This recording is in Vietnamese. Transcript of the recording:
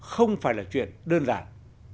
không phải là chuyện đơn giản